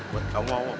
buat kamu awok awok